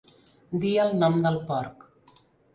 Dir el nom del porc.